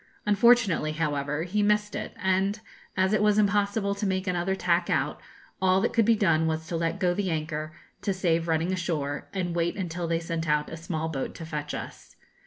Unfortunately, however, he missed it; and as it was impossible to make another tack out, all that could be done was to let go the anchor to save running ashore, and wait until they sent out a small boat to fetch us.